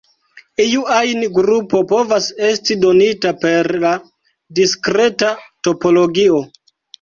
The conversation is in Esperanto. Iu ajn grupo povas esti donita per la diskreta topologio.